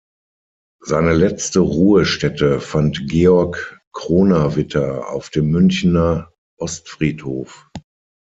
Seine letzte Ruhestätte fand Georg Kronawitter auf dem Münchener Ostfriedhof.